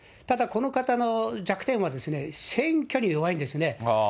ただ、この方の弱点は、選挙に弱いんですね。